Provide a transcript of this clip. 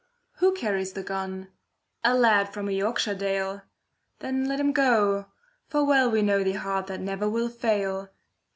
Who carries the gun? A lad from a Yorkshire dale. Then let him go, for well we know The heart that never will fail.